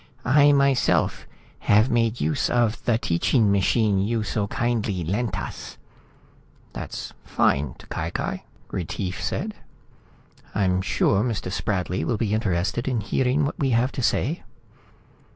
"I myself have made use of the teaching machine you so kindly lent us." "That's fine. T'Cai Cai," Retief said. "I'm sure Mr. Spradley will be interested in hearing what we have to say."